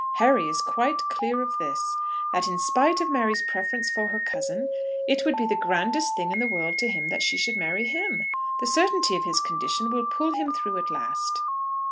Harry is quite clear of this, that in spite of Mary's preference for her cousin, it would be the grandest thing in the world to him that she should marry him. The certainty of his condition will pull him through at last."